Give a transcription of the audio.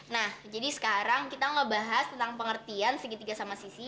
nah jadi sekarang kita ngebahas tentang pengertian segitiga sama sisi